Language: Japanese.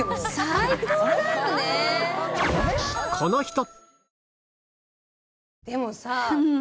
この人！